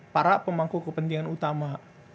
para pemangku kepentingan utama